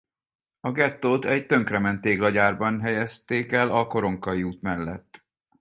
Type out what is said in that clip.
A gettót egy tönkrement téglagyárban helyezték el a koronkai út mellett.